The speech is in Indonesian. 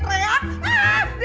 salah sambung kali